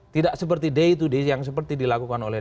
tidak seperti day to day yang seperti dilakukan oleh